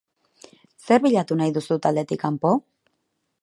Zer bilatu nahi duzu taldetik kanpo?